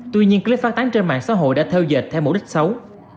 tuy nhiên clip phát tán trên mạng xã hội đã theo dệt theo mục đích xấu